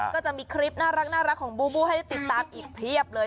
ก็จะมีคลิปน่ารักของบูบูให้ได้ติดตามอีกเพียบเลย